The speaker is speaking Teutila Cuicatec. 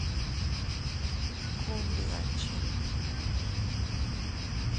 Ku ndi a chinnu.